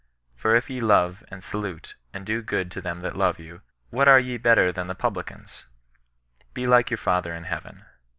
For if ye love, and salute, and do good to them that love you, what are ye better than the publicans % Be like your Father inHeaven.